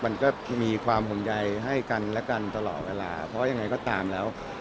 มันก็มีความห่วงใยให้กันและกันตลอดเวลาเพราะว่ายังไงก็ตามแล้ว